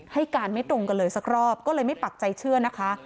ให้การไม่ตรงกันเลยสักรอบก็เลยไม่ปักใจเชื่อนะคะ